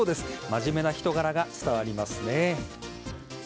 真面目な人柄が伝わりますね。